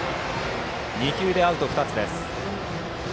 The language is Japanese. ２球でアウト２つです。